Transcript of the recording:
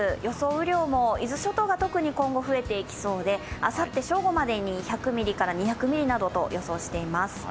雨量も伊豆諸島が今後、特に増えていきそうであさって正午までに１００ミリから２００ミリなどと予想しています。